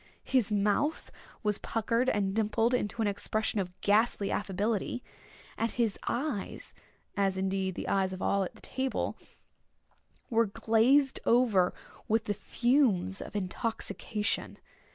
His mouth was puckered and dimpled into an expression of ghastly affability, and his eyes, as indeed the eyes of all at table, were glazed over with the fumes of intoxication.